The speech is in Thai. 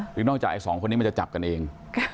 หรือก็นอกจากไอ้สองคนครับมันจะจับกันเอง